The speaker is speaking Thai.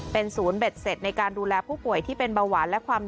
เป็นศูนย์เบ็ดเสร็จในการดูแลผู้ป่วยที่เป็นเบาหวานและความ